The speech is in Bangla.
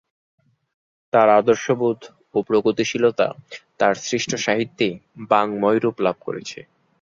তাঁর আদর্শবোধ ও প্রগতিশীলতা তাঁর সৃষ্ট সাহিত্যে বাঙ্ময় রূপ লাভ করেছে।